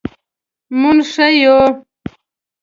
مونږ ښه یو